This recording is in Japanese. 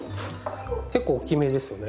結構大きめですよね。